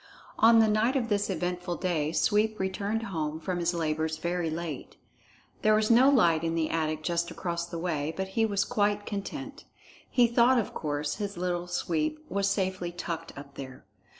On the night of this eventful day Sweep returned home from his labors very late. There was no light in the attic just across the way, but he was quite content. He thought, of course, his Little Sweep was safely tucked up there.